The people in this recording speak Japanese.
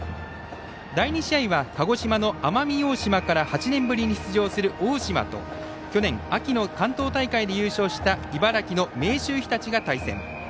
第２試合は鹿児島の奄美大島から８年ぶりに出場する大島と去年、秋の関東大会で優勝した茨城の明秀日立が対戦。